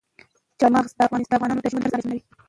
چار مغز د افغانانو د ژوند طرز اغېزمنوي.